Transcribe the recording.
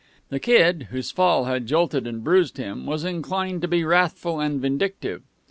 The Kid, whose fall had jolted and bruised him, was inclined to be wrathful and vindictive.